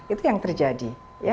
itu yang terjadi